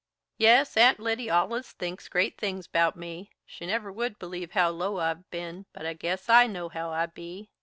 "Yes, Aunt Lyddy allus thinks great things 'bout me; she never would believe how low I've ben, but I guess I know how I be.